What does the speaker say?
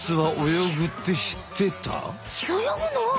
泳ぐの？